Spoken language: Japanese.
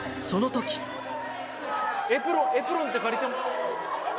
エプロンって借りても？